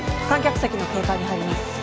観客席の警戒に入ります。